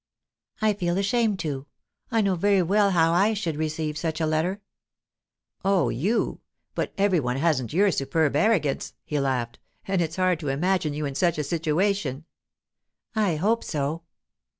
"I feel ashamed to. I know very well how I should receive such a letter." "Oh, you! But every one hasn't your superb arrogance!" He laughed. "And it's hard to imagine you in such a situation." "I hope so."